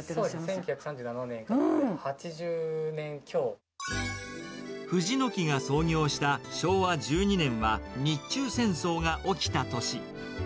１９３７年からな藤の木が創業した昭和１２年は、日中戦争が起きた年。